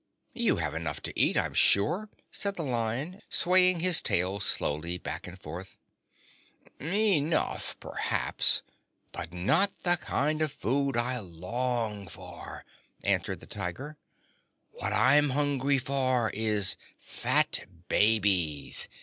"You have enough to eat, I'm sure," said the Lion, swaying his tail slowly back and forth. "Enough, perhaps; but not the kind of food I long for," answered the Tiger. "What I'm hungry for is fat babies.